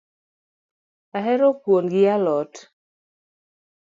Ahero kuon gi alot